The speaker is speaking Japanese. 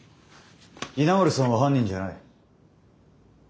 稲森さんは犯人じゃない。